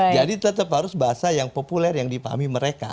jadi tetap harus bahasa yang populer yang dipahami mereka